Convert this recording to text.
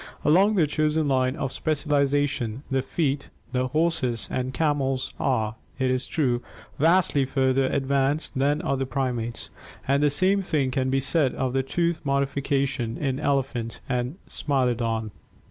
Along their chosen line of specialization, the feet, the horses and camels are, it is true, vastly further advanced than are the primates, and the same thing can be said of tooth modification in elephant and Smilodon.